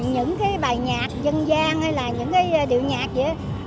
những cái bài nhạc dân gian hay là những cái điệu nhạc vậy